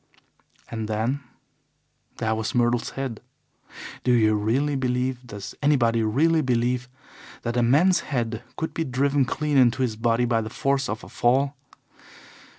"And then there was Myrtle's head. Do you really believe does anybody really believe that a man's head could be driven clean into his body by the force of a fall?